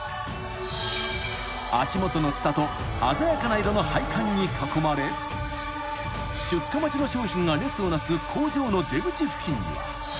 ［足元のつたと鮮やかな色の配管に囲まれ出荷待ちの商品が列を成す工場の出口付近には］